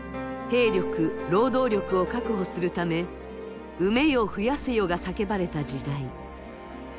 兵力労働力を確保するため「産めよ増やせよ」が叫ばれた時代。